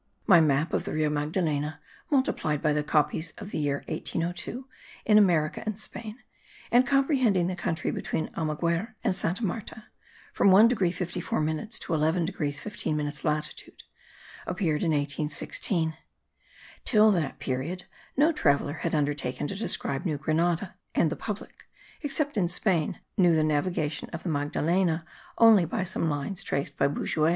My map of the Rio Magdalena, multiplied by the copies of the year 1802 in America and Spain, and comprehending the country between Almaguer and Santa Marta, from 1 degree 54 minutes to 11 degrees 15 minutes latitude, appeared in 1816. Till that period no traveller had undertaken to describe New Grenada; and the public, except in Spain, knew the navigation of the Magdalena only by some lines traced by Bouguer.